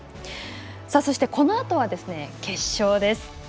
そして、このあとは決勝です。